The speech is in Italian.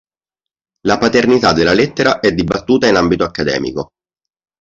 La paternità della lettera è dibattuta in ambito accademico.